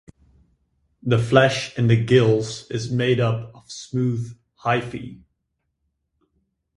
The flesh in the gills is made up of smooth hyphae.